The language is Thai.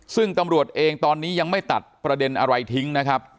ซึ่งตำรวจเองตอนนี้ยังไม่ตัดประเด็นอะไรทิ้งนะครับ